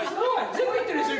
全部いってるでしょ？